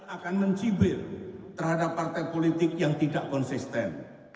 akan mencibir terhadap partai politik yang tidak konsisten